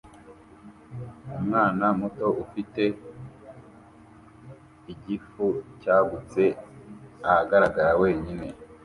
Umwana muto ufite igifu cyagutse ahagarara wenyine